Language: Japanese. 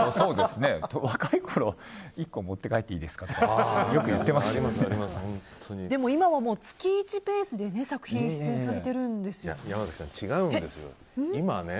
若いころは１個持って帰っていいですかとかでも今は月１ペースで作品出演されてるんですよね。